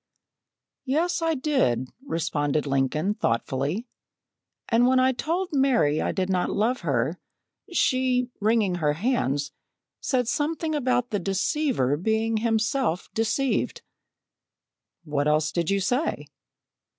"Yes, I did," responded Lincoln thoughtfully, "and when I told Mary I did not love her, she, wringing her hands, said something about the deceiver being himself deceived." "What else did you say?"